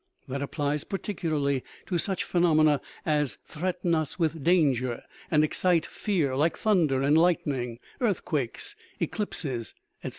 That applies particularly to such phenomena as threat en us with danger and excite fear, like thunder and lightning, earthquakes, eclipses, etc.